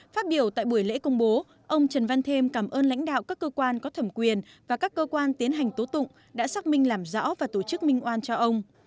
phát biểu tại buổi lễ công bố ông trần văn thêm cảm ơn lãnh đạo các cơ quan có thẩm quyền và các cơ quan tiến hành tố tụng đã xác minh làm rõ và tổ chức minh oan cho ông